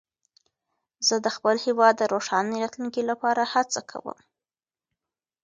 زه د خپل هېواد د روښانه راتلونکي لپاره هڅه کوم.